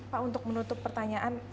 pak untuk menutup pertanyaan